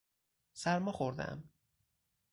سرما خوردهام.